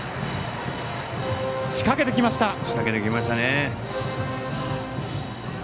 仕掛けてきました。